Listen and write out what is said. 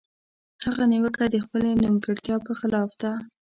هره نيوکه د خپلې نيمګړتيا په خلاف ده.